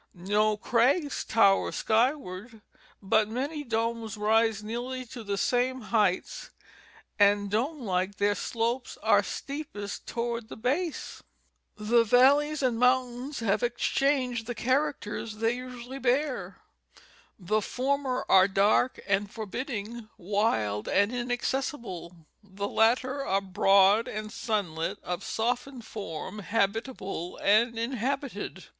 No crags tower skyward, but many domes rise nearly to the same heights, and dome like, their slopes are steepest toward the base. The valleys and the mountains have exchanged the characters they usually bear ; the former are dark and forbidding, wild and inaccessible, the latter are broad and sunlit of softened form, habitable and inhabited.